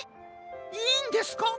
いいんですか？